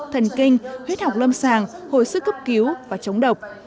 thần kinh huyết học lâm sàng hồi sức cấp cứu và chống độc